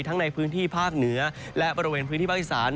ทั้งในพื้นที่ภาคเหนือและบริเวณพื้นที่ภาคอีสาน